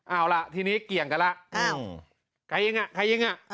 เอาล่ะทีนี้เกี่ยงกันแล้วใครเองอ่ะใครยิงอ่ะ